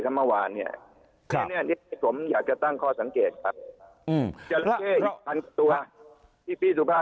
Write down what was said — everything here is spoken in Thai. ครับเมื่อรวมเมื่อวานข้างในนี้ผมอยากจะตั้งข้อสังเกตครับ